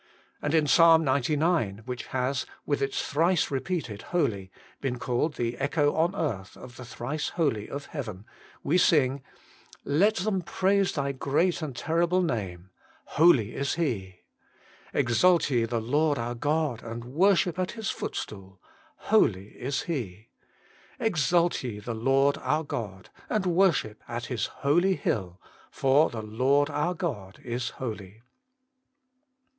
And in Ps. xcix., which has, with its thrice repeated holy, been called the echo on earth of the Thrice Holy of heaven, we sing Let them praise Thy great and terrible name. HOLY is HE. Exalt ye the Lord our God, and worship at His footstool : HOLY is HE. Exalt ye the Lord our God, and worship at His holy hill : For the Lord our God is HOLY.